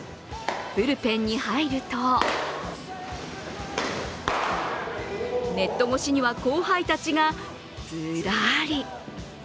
ブルペンに入るとネット越しには後輩たちがズラリ。